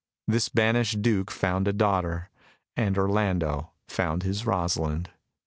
The banished Duke found a daughter, and Orlando found his Rosalind.